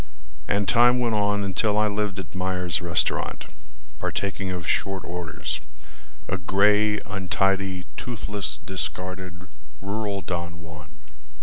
And time went on until I lived at Mayer's restaurant, Partaking of short orders, a gray, untidy, Toothless, discarded, rural Don Juan.